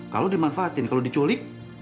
kalau dimanfaatin kalau diculik